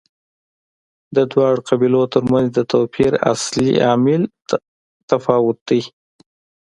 د دواړو قبیلو ترمنځ د توپیر اصلي عامل تفاوت دی.